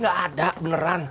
gak ada beneran